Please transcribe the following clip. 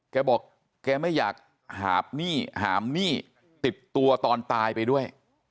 แกบอกแกไม่อยากหาบหนี้หามหนี้ติดตัวตอนตายไปด้วย